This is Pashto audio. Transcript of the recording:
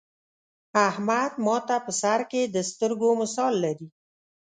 احمد ماته په سر کې د سترگو مثال لري.